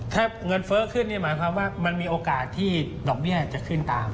ถ้าเงินเฟ้อขึ้นนี่หมายความว่ามันมีโอกาสที่ดอกเบี้ยจะขึ้นตาม